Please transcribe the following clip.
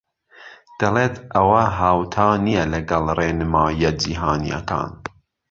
دهڵێت ئهوه هاوتا نییه لهگهڵ رێنماییه جیهانییهکان